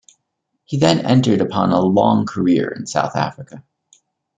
He then entered upon a long career in South Africa.